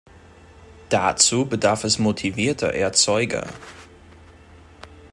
Dazu bedarf es motivierter Erzeuger.